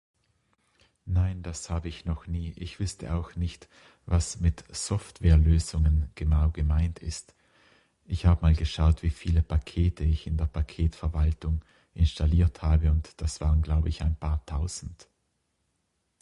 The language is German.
Nein das habe ich noch nie, ich wüsste auch nicht was mit Softwarelösungen genau gemeint ist. Ich hab mal geschaut wie viele Pakete ich in der Paketverwaltung installiert habe und das waren glaub ich ein paar Tausend.